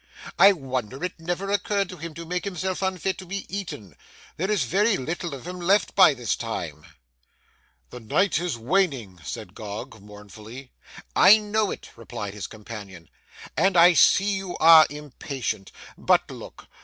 I wonder it never occurred to him to make himself unfit to be eaten. There is very little of him left by this time.' [Picture: Gog and Magog] 'The night is waning,' said Gog mournfully. 'I know it,' replied his companion, 'and I see you are impatient. But look.